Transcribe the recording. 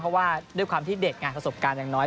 เพราะว่าด้วยความที่เด็กงานประสบการณ์อย่างน้อย